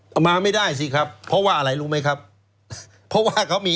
เอามาไม่ได้สิครับเพราะว่าอะไรรู้ไหมครับเพราะว่าเขามี